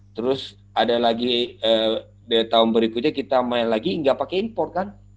terus ada lagi di tahun berikutnya kita main lagi nggak pakai impor kan